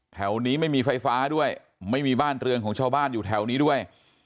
แถวนี้ไม่มีไฟฟ้าด้วยไม่มีบ้านเรือนของชาวบ้านอยู่แถวนี้ด้วย